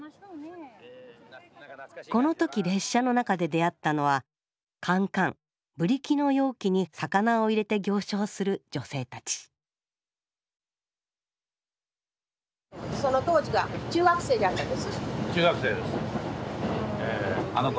この時列車の中で出会ったのはカンカンブリキの容器に魚を入れて行商する女性たち中学生です。